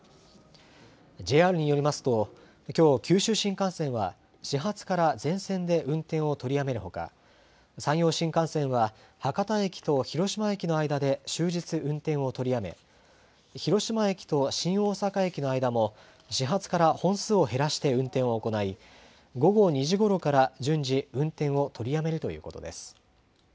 ＪＲによりますと、きょう、九州新幹線は始発から全線で運転を取りやめるほか、山陽新幹線は博多駅と広島駅の間で終日運転を取りやめ、広島駅と新大阪駅の間も始発から本数を減らして運転を行い、午後２時ごろから順次、運転を取りやめるということです。